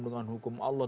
dengan hukum allah